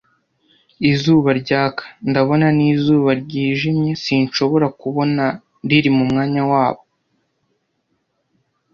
Izuba ryaka ndabona n'izuba ryijimye sinshobora kubona riri mumwanya wabo,